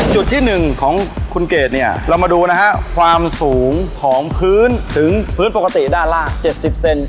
จุดที่๑ของคุณเกดเนี่ยเรามาดูนะฮะความสูงของพื้นถึงพื้นปกติด้านล่าง๗๐เซน